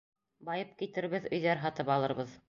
Байып китербеҙ, өйҙәр һатып алырбыҙ.